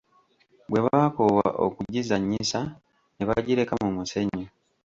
Bwe baakoowa okugizannyisa ne bagireka mu musenyu.